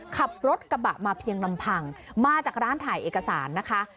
ขับรถกระบะมาเพียงลำพังมาจากร้านถ่ายเอกสารนะคะ